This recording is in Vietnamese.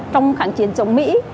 trong khẳng chiến chống mỹ